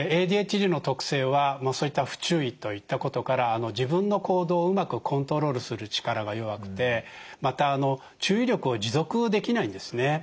ＡＤＨＤの特性はそういった不注意といったことから自分の行動をうまくコントロールする力が弱くてまた注意力を持続できないんですね。